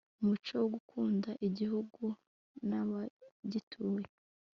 umuco wo gukunda igihugu n'abagituye